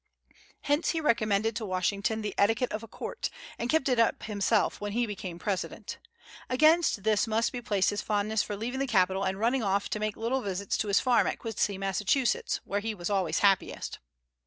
Hence he recommended to Washington the etiquette of a court, and kept it up himself when he became president. Against this must be placed his fondness for leaving the capital and running off to make little visits to his farm at Quincy, Massachusetts, where he was always happiest.